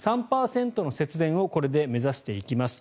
３％の節電をこれで目指していきます。